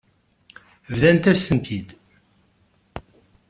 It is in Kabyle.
Bḍant-as-ten-id.